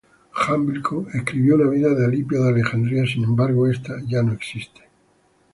Jámblico escribió una vida de Alipio de Alejandría, sin embargo esta ya no existe.